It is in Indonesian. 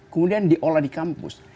kemudian diolah di kampus